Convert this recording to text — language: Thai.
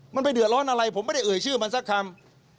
มันไปเดือดร้อนอะไรผมไม่ได้เอ่ยชื่อมันสักคำ